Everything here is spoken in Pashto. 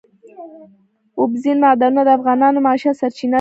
اوبزین معدنونه د افغانانو د معیشت سرچینه ده.